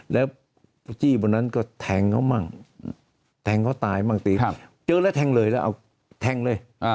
แล้วจี้บนนั้นก็แทงเขามั่งแทงเขาตายมั่งตีเจอแล้วแทงเลยแล้วเอาแทงเลย